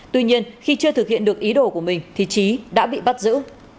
tuy nhiên khi chưa thực hiện được ý đồ của mình thì trí đã bị bắt giữ